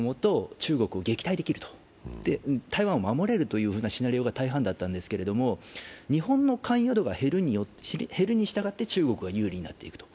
中国を撃退できると、台湾を守れるというシナリオが大半だったんですけど日本の関与度が減るにしたがって中国は有利になっていくと。